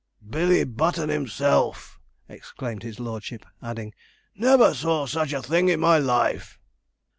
'Billy Button, himself!' exclaimed his lordship, adding, 'never saw such a thing in my life!'